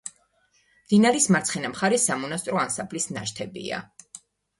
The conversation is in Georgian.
მდინარის მარცხენა მხარეს სამონასტრო ანსამბლის ნაშთებია.